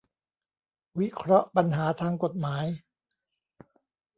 วิเคราะห์ปัญหาทางกฎหมาย